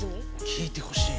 聞いてほしい。